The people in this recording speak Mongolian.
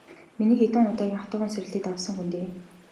Миний хэдэн удаагийн хатуухан сорилтыг давсан хүн дээ.